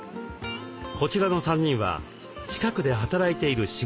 こちらの３人は近くで働いている仕事仲間。